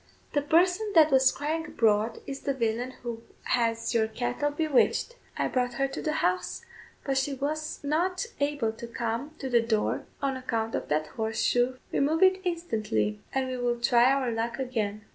The person that was crying abroad is the villain who has your cattle bewitched; I brought her to the house, but she was not able to come to the door on account of that horseshoe. Remove it instantly, and we will try our luck again."